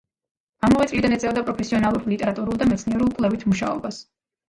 ამავე წლიდან ეწეოდა პროფესიონალურ ლიტერატურულ და მეცნიერულ კვლევით მუშაობას.